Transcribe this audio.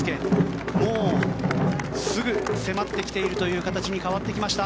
もうすぐ迫ってきているという形に変わってきました。